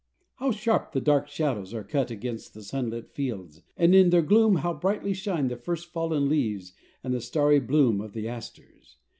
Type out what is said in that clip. How sharp the dark shadows are cut against the sunlit fields, and in their gloom how brightly shine the first fallen leaves and the starry bloom of the asters.